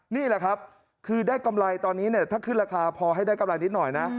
นี่แหละครับคือได้กำไรตอนนี้ถ้าขึ้นราคาพอให้ได้กำไรนิดหน่อยนะ